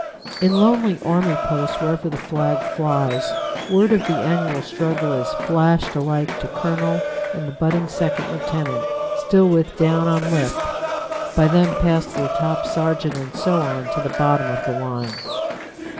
In lonely army posts wherever the flag flies word of the annual struggle is flashed alike to colonel and the budding second lieutenant still with down on lip, by them passed to the top sergeant and so on to the bottom of the line.